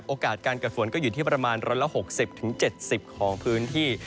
โอกาสการเกิดฝนก็อยู่ที่ประมาณ๑๖๐๗๐ของพื้นที่